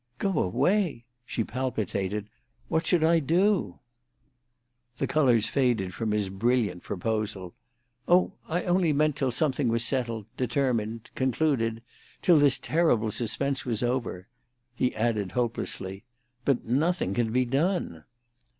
"Go away?" she palpitated. "What should I do?" The colours faded from his brilliant proposal. "Oh, I only meant till something was settled—determined—concluded; till this terrible suspense was over." He added hopelessly, "But nothing can be done!"